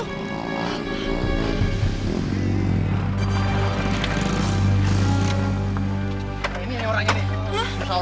sini sini ketur sini